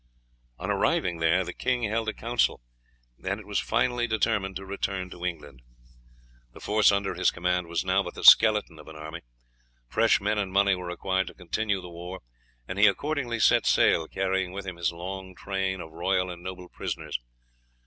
On arriving there the king held a council, and it was finally determined to return to England. The force under his command was now but the skeleton of an army. Fresh men and money were required to continue the war, and he accordingly set sail, carrying with him his long train of royal and noble prisoners.